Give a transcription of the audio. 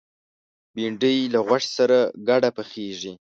بېنډۍ له غوښې سره ګډه پخېږي